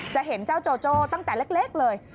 จะเห็นเจ้าโจโจ้ตั้งแต่เล็กเลย